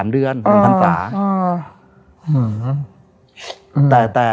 เดือน๑พันศา